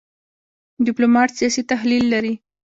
ډيپلومات سیاسي تحلیل لري .